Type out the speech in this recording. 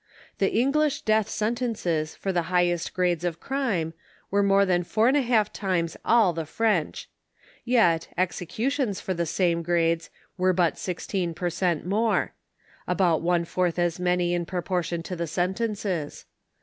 The English death senten ces for the highest grades of crime were more than 4$ times a// the French, yet executions for the same grades were but 16 per cent, more; about one fourth as many in proportion to the sentences.